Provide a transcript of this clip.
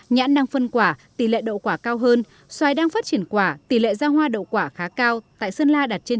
nhãn năng phân quả tỷ lệ đậu quả cao hơn xoài đang phát triển quả tỷ lệ ra hoa đậu quả khá cao tại sơn la đạt trên chín mươi